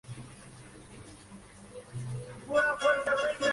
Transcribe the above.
Kai Nielsen era el hijo del relojero Christian Nielsen y su esposa Anna Maria.